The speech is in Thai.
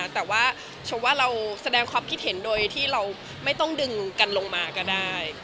แต่ว่าชมว่าเราแสดงความคิดเห็นโดยที่เราไม่ต้องดึงกันลงมาก็ได้